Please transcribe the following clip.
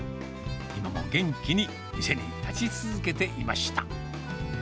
今も元気に店に立ち続けていました。